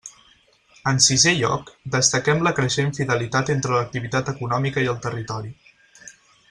En sisé lloc, destaquem la creixent fidelitat entre l'activitat econòmica i el territori.